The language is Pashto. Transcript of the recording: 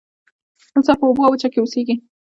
تمساح په اوبو او وچه کې اوسیږي